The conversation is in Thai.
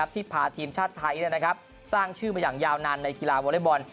ที่พาทีมชาติไทยสร้างชื่อมาอย่างยาวนานในกีฬาวอเล็กบอล